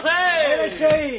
いらっしゃい！